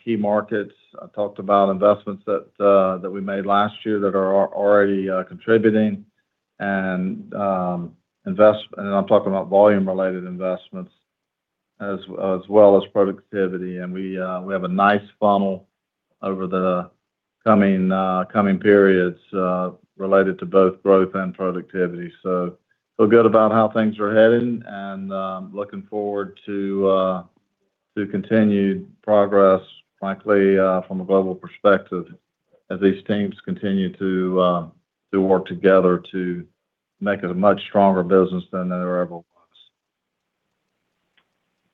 Key markets, I talked about investments that we made last year that are already contributing, and I'm talking about volume-related investments as well as productivity. We have a nice funnel over the coming periods related to both growth and productivity. Feel good about how things are heading, looking forward to continued progress, frankly, from a global perspective, as these teams continue to work together to make it a much stronger business than it ever was.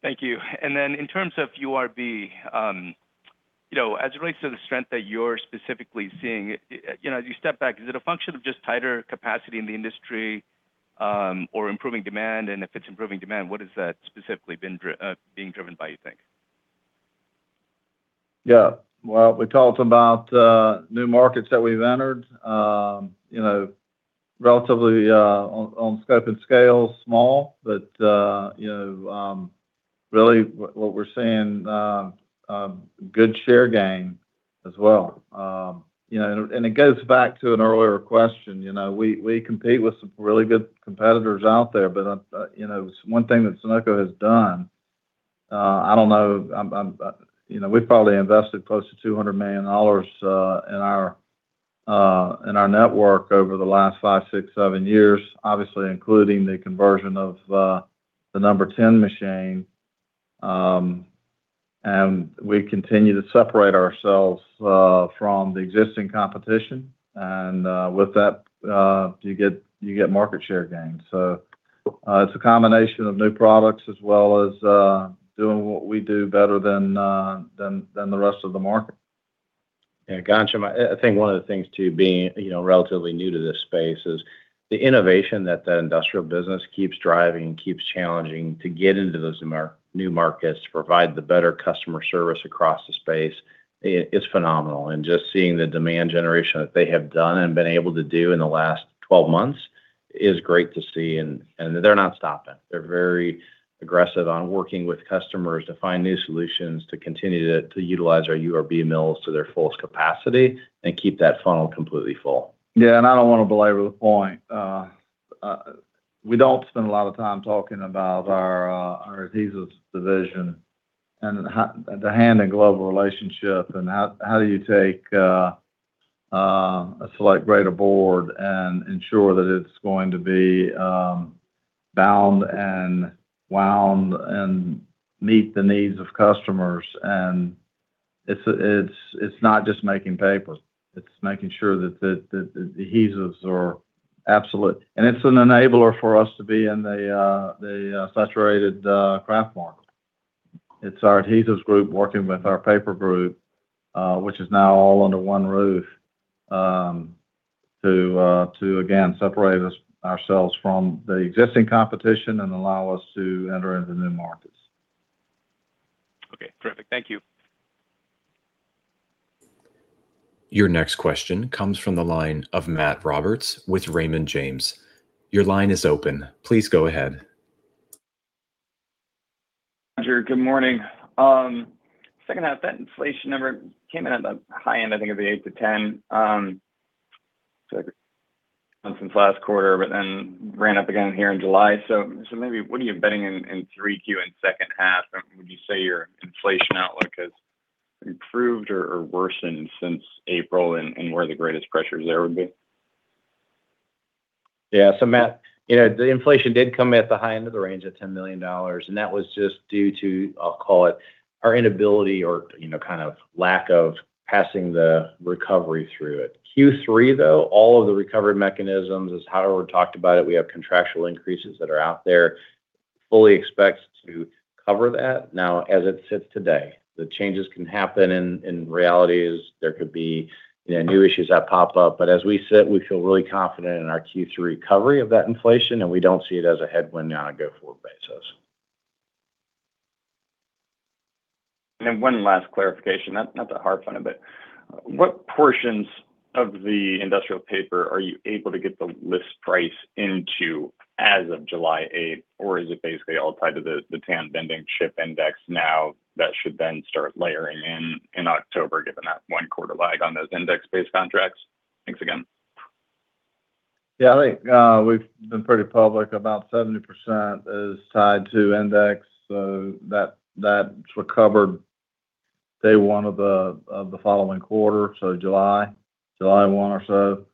Thank you. In terms of URB, as it relates to the strength that you're specifically seeing, as you step back, is it a function of just tighter capacity in the industry, or improving demand? If it's improving demand, what is that specifically being driven by, you think? We talked about new markets that we've entered. Relatively, on scope and scale, small, but really what we're seeing, good share gain as well. It goes back to an earlier question. We compete with some really good competitors out there, but one thing that Sonoco has done, we've probably invested close to $200 million in our network over the last five, six, seven years, obviously including the conversion of the number 10 machine. We continue to separate ourselves from the existing competition. With that, you get market share gains. It's a combination of new products as well as doing what we do better than the rest of the market. I think one of the things too, being relatively new to this space is, the innovation that the industrial business keeps driving and keeps challenging to get into those new markets, provide the better customer service across the space, it's phenomenal. Just seeing the demand generation that they have done and been able to do in the last 12 months is great to see, and they're not stopping. They're very aggressive on working with customers to find new solutions to continue to utilize our URB mills to their fullest capacity and keep that funnel completely full. I don't want to belabor the point. We don't spend a lot of time talking about our adhesives division and the Henkel global relationship and how you take a select grade of board and ensure that it's going to be bound and wound and meet the needs of customers. It's not just making paper, it's making sure that the adhesives are absolute. It's an enabler for us to be in the saturated kraft market. It's our adhesives group working with our paper group, which is now all under one roof, to again, separate ourselves from the existing competition and allow us to enter into new markets. Okay, terrific. Thank you. Your next question comes from the line of Matt Roberts with Raymond James. Your line is open. Please go ahead. Roger, good morning. Second half, that inflation number came in at the high end, I think of the 8-10 since last quarter, ran up again here in July. Maybe what are you betting in 3Q in second half? Would you say your inflation outlook has improved or worsened since April, and where the greatest pressures there would be? Yeah. Matt, the inflation did come at the high end of the range at $10 million, and that was just due to, I'll call it, our inability or lack of passing the recovery through it. Q3 though, all of the recovery mechanisms, as Howard talked about it, we have contractual increases that are out there. Fully expect to cover that now as it sits today. The changes can happen in realities. There could be new issues that pop up. As we sit, we feel really confident in our Q3 recovery of that inflation, and we don't see it as a headwind on a go-forward basis. One last clarification, not to harp on it, but what portions of the industrial paper are you able to get the list price into as of July 8? Or is it basically all tied to the Tan Bending Chip Index now that should then start layering in in October, given that one-quarter lag on those index-based contracts? Thanks again. I think we've been pretty public. About 70% is tied to index, so that's recovered day one of the following quarter. July 1 or so.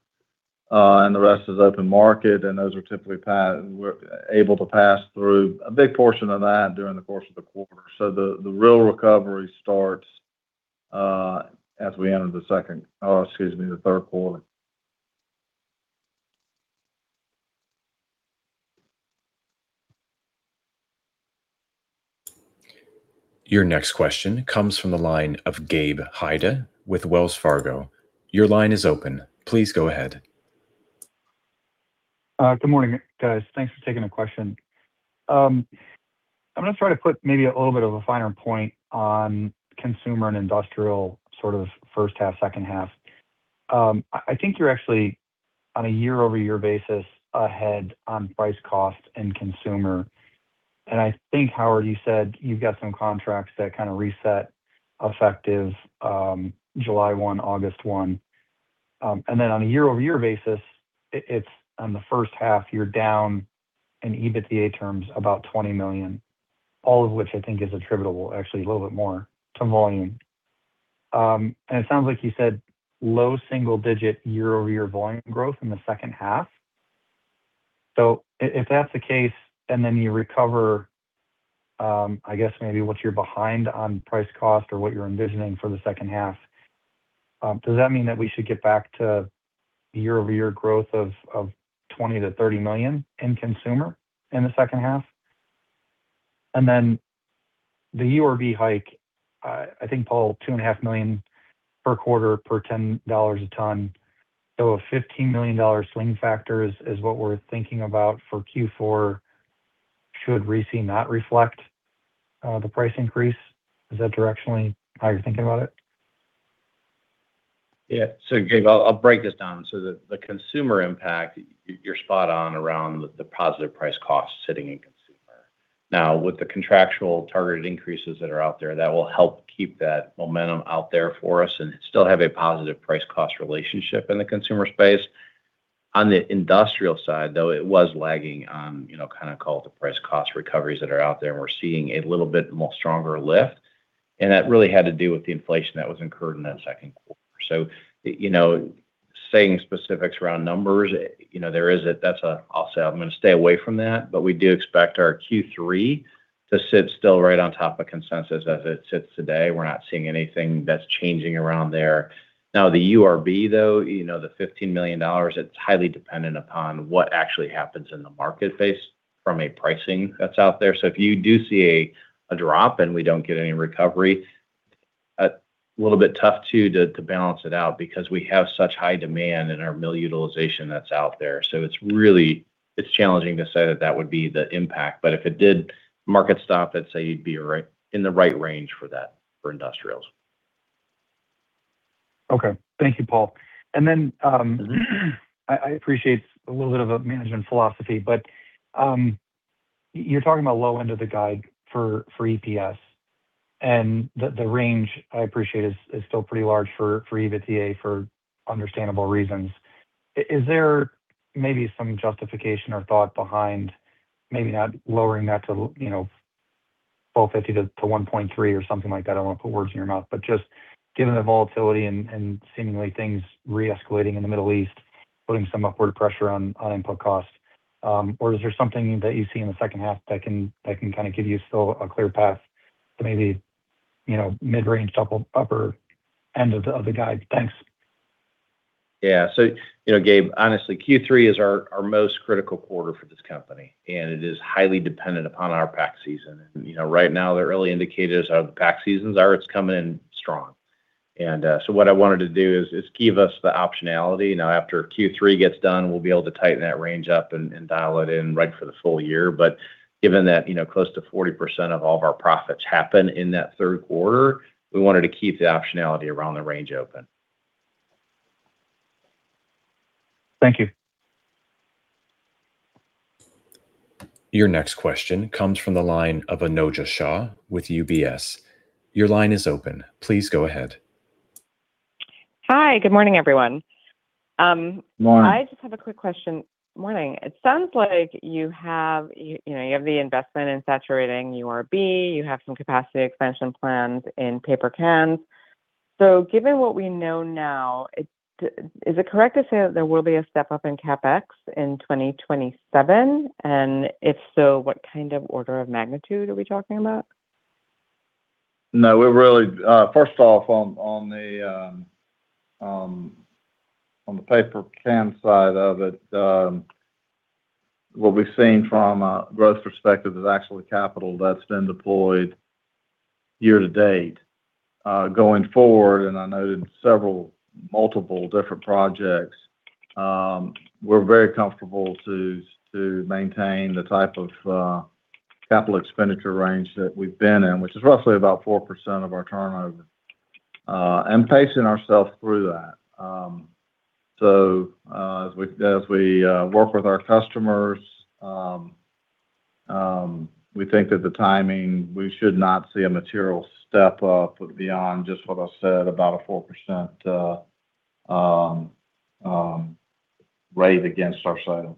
The rest is open market, and those we're able to pass through a big portion of that during the course of the quarter. The real recovery starts as we enter the third quarter. Your next question comes from the line of Gabe Hajde with Wells Fargo. Your line is open. Please go ahead. Good morning, guys. Thanks for taking the question. I'm going to try to put maybe a little bit of a finer point on consumer and industrial first half, second half. I think you're actually on a year-over-year basis ahead on price cost and consumer. I think, Howard, you said you've got some contracts that kind of reset effective July 1, August 1. On a year-over-year basis, it's on the first half, you're down in EBITDA terms about $20 million, all of which I think is attributable, actually a little bit more, to volume. It sounds like you said low single-digit year-over-year volume growth in the second half. If that's the case, then you recover, I guess maybe what you're behind on price cost or what you're envisioning for the second half, does that mean that we should get back to year-over-year growth of $20 million to $30 million in consumer in the second half? Then the URB hike, I think, Paul, $2.5 million per quarter per $10 a ton. A $15 million swing factor is what we're thinking about for Q4 should RISI not reflect the price increase. Is that directionally how you're thinking about it? Yeah. Gabe, I'll break this down. The consumer impact, you're spot on around the positive price cost sitting in consumer. With the contractual targeted increases that are out there, that will help keep that momentum out there for us and still have a positive price-cost relationship in the consumer space. On the industrial side, though, it was lagging on kind of call it the price cost recoveries that are out there, and we're seeing a little bit more stronger lift. That really had to do with the inflation that was incurred in that second quarter. Saying specifics around numbers, I'll say I'm going to stay away from that, but we do expect our Q3 to sit still right on top of consensus as it sits today. We're not seeing anything that's changing around there. The URB, though, the $15 million, it's highly dependent upon what actually happens in the market base from a pricing that's out there. If you do see a drop and we don't get any recovery, a little bit tough too to balance it out because we have such high demand in our mill utilization that's out there. It's challenging to say that that would be the impact. If it did market stop, I'd say you'd be in the right range for that for industrials. Okay. Thank you, Paul. Then, I appreciate a little bit of a management philosophy, but you're talking about low end of the guide for EPS and the range I appreciate is still pretty large for EBITDA for understandable reasons. Is there maybe some justification or thought behind maybe not lowering that to $1.50 to $1.30 or something like that? I don't want to put words in your mouth, but just given the volatility and seemingly things re-escalating in the Middle East, putting some upward pressure on input costs. Is there something that you see in the second half that can kind of give you still a clear path to maybe mid-range upper end of the guide? Thanks. Yeah. Gabe, honestly, Q3 is our most critical quarter for this company, and it is highly dependent upon our pack season. Right now the early indicators of the pack seasons are it's coming in strong. What I wanted to do is give us the optionality. Now after Q3 gets done, we'll be able to tighten that range up and dial it in right for the full year. Given that close to 40% of all of our profits happen in that third quarter, we wanted to keep the optionality around the range open. Thank you. Your next question comes from the line of Anojja Shah with UBS. Your line is open. Please go ahead. Hi. Good morning, everyone. Morning. I just have a quick question. Morning. It sounds like you have the investment in saturating URB. You have some capacity expansion plans in paper cans. Given what we know now, is it correct to say that there will be a step-up in CapEx in 2027? If so, what kind of order of magnitude are we talking about? No. First off, on the paper can side of it, what we've seen from a growth perspective is actually capital that's been deployed year-to-date. Going forward, I noted multiple different projects, we're very comfortable to maintain the type of capital expenditure range that we've been in, which is roughly about 4% of our turnover, pacing ourselves through that. As we work with our customers, we think that the timing, we should not see a material step up beyond just what I said, about a 4% rate against our sales.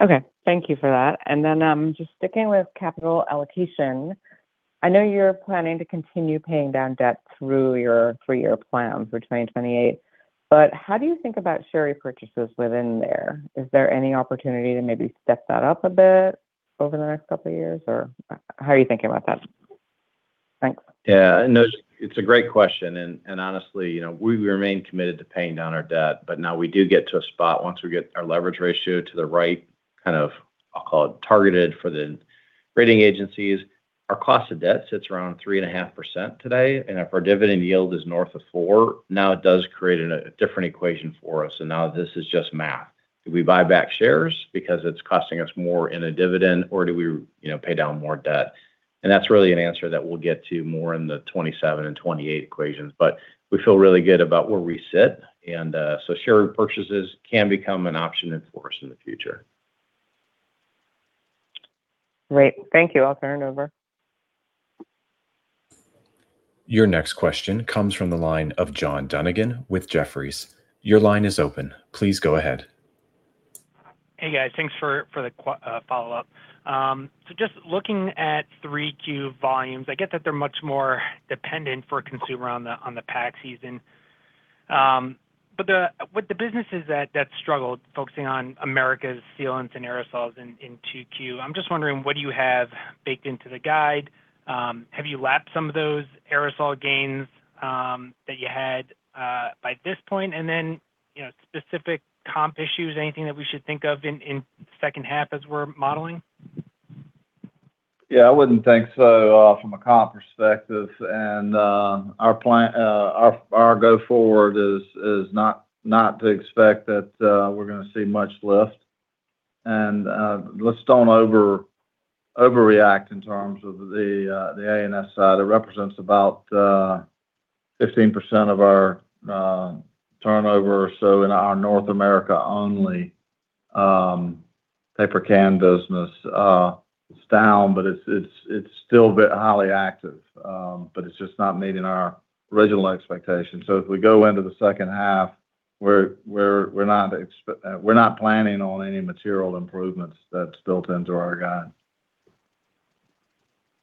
Okay. Thank you for that. Then just sticking with capital allocation, I know you're planning to continue paying down debt through your three-year plan for 2028, how do you think about share repurchases within there? Is there any opportunity to maybe step that up a bit over the next couple of years, or how are you thinking about that? Thanks. Yeah, no, it's a great question, honestly, we remain committed to paying down our debt. Now we do get to a spot once we get our leverage ratio to the right kind of, I'll call it targeted for the rating agencies. Our cost of debt sits around 3.5% today, if our dividend yield is north of four, now it does create a different equation for us. Now this is just math. Do we buy back shares because it's costing us more in a dividend, or do we pay down more debt? That's really an answer that we'll get to more in the 2027 and 2028 equations. We feel really good about where we sit. Share repurchases can become an option in for us in the future. Great. Thank you. I'll turn it over. Your next question comes from the line of John Dunigan with Jefferies. Your line is open. Please go ahead. Hey guys, thanks for the follow-up. Just looking at 3Q volumes, I get that they're much more dependent for a consumer on the pack season. But with the businesses that struggled focusing on America's sealants and aerosols in 2Q, I'm just wondering, what do you have baked into the guide? Have you lapped some of those aerosol gains that you had by this point? Specific comp issues, anything that we should think of in second half as we're modeling? Yeah, I wouldn't think so from a comp perspective. Our go forward is not to expect that we're going to see much lift. Let's don't overreact in terms of the A&S side. It represents about 15% of our turnover or so in our North America only paper can business. It's down, but it's still highly active. It's just not meeting our original expectations. If we go into the second half, we're not planning on any material improvements that's built into our guide.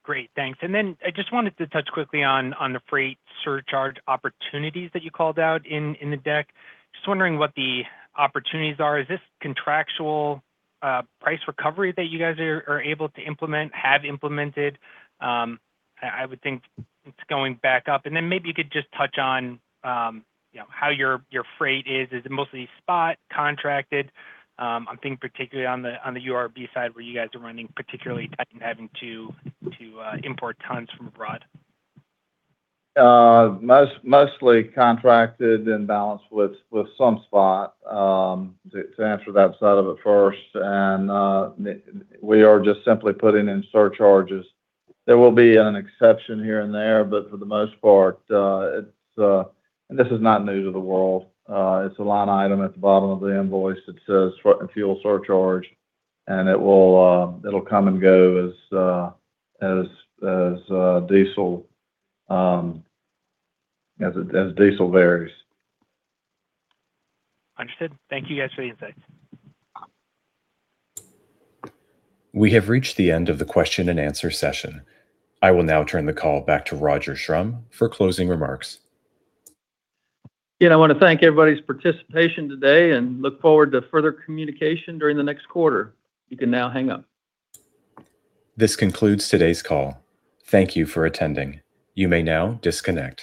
Great, thanks. I just wanted to touch quickly on the freight surcharge opportunities that you called out in the deck. Just wondering what the opportunities are. Is this contractual price recovery that you guys are able to implement, have implemented? I would think it's going back up. Maybe you could just touch on how your freight is. Is it mostly spot contracted? I'm thinking particularly on the URB side where you guys are running particularly tight and having to import tons from abroad. Mostly contracted and balanced with some spot, to answer that side of it first. We are just simply putting in surcharges. There will be an exception here and there, but for the most part, and this is not new to the world, it's a line item at the bottom of the invoice that says freight and fuel surcharge, and it'll come and go as diesel varies. Understood. Thank you guys for the insight. We have reached the end of the question and answer session. I will now turn the call back to Roger Schrum for closing remarks. Again, I want to thank everybody's participation today and look forward to further communication during the next quarter. You can now hang up. This concludes today's call. Thank you for attending. You may now disconnect.